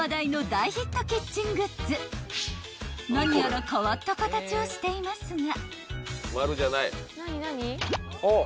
［何やら変わった形をしていますが］